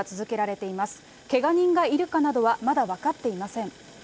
けが人がいるかなどはまだ分かっていません。